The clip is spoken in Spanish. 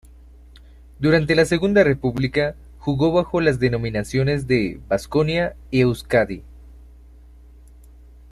Durante la Segunda República jugó bajo las denominaciones de Vasconia y Euzkadi.